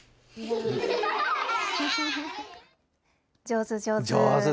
上手、上手。